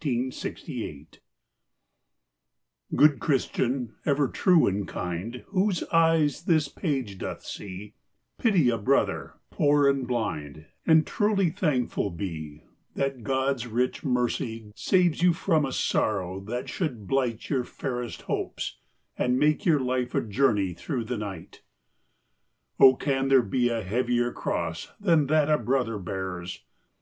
••• Good Christian, ever true and kind, AVhoso eyes this page doth see, Pity a brother, poor and blind, And truly thankful be— That God's rieh mercy saves you from A sorrow that should blight Your fairest hopes and make your life A journey through the night. Oh, can there be a heavier cross Than that a brother bears?